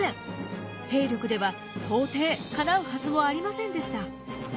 兵力では到底かなうはずもありませんでした。